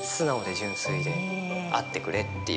であってくれっていう。